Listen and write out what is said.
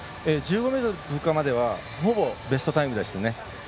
１５ｍ通過まではほぼベストタイムでしたね。